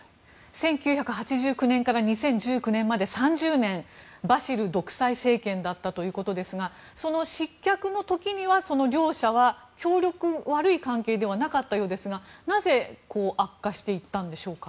１９８９年から２０１９年まで、３０年バシル独裁政権だったということですがその失脚の時には、両者は協力していて、悪い関係ではなかったようですがなぜ悪化していったんでしょうか。